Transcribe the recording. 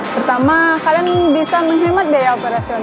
pertama kalian bisa menghemat biaya operasional